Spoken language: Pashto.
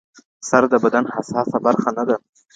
سر د بدن حساسه برخه نه ده.